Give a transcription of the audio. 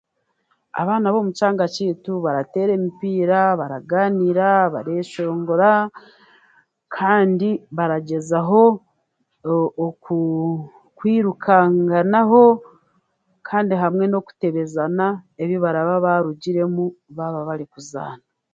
Abaana b'omu kyanga kyaitu bareetera emipiira, baragaaniira, bareeshongora kandi baragyezaho o oku okwirukanganaho kandi hamwe n'okutebeezana ebi bababaarugiremu barikuzaana